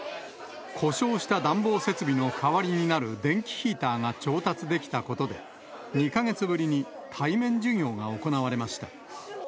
故障した暖房設備の代わりになる電気ヒーターが調達できたことで、２か月ぶりに対面授業が行われました。